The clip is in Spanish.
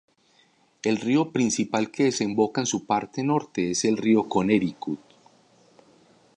El río principal que desemboca en su parte norte es el río Connecticut.